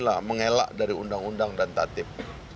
kita mengelak dari undang undang dan tatip